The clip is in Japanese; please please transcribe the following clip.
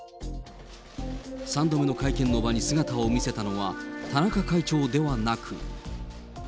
３度目の会見の場に姿を見せたのは、田中会長ではなく。